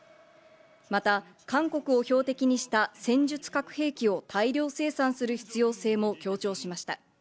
また韓国を標的にした戦術核兵器を大量生産する必要性も強調しました。